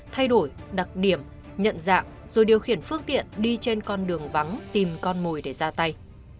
thay đổi đặc điểm nhận dạng rồi điều khiển phương tiện đi trên con đường vắng tìm con mồi để ra tay